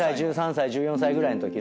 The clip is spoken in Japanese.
１２歳１３歳１４歳ぐらいの。